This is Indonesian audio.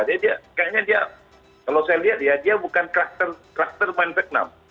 dia kayaknya dia kalau saya lihat ya dia bukan kluster main vietnam